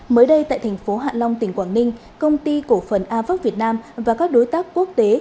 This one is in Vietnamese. mới đây tại thành phố hạ long tỉnh quảng ninh công ty cổ phần avac việt nam và các đối tác quốc tế